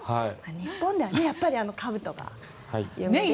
日本ではかぶとが有名ですね。